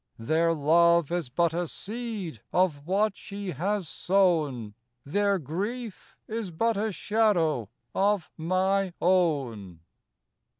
Their love is but a seed of what she has sown; Their grief is but a shadow of my own.